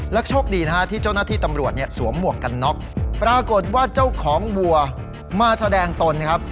โชคดีนะฮะที่เจ้าหน้าที่ตำรวจเนี่ยสวมหมวกกันน็อกปรากฏว่าเจ้าของวัวมาแสดงตนครับ